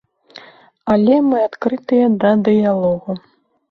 Але мы адкрытыя да дыялогу.